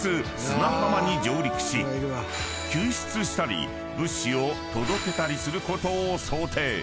［救出したり物資を届けたりすることを想定］